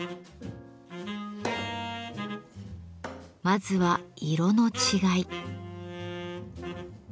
まずは色の違い。